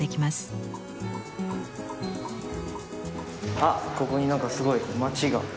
あっここに何かすごい街が。